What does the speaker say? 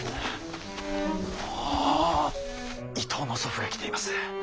伊東の祖父が来ています。